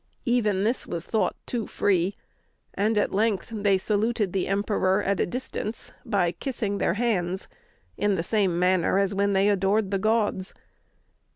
Even this was thought too free; and at length they saluted the emperor at a distance by kissing their hands, in the same manner as when they adored the gods.